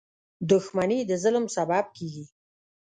• دښمني د ظلم سبب کېږي.